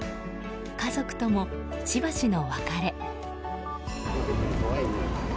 家族とも、しばしの別れ。